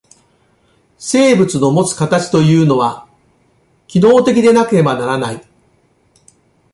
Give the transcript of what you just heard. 生物のもつ形というのは、機能的でなければならない。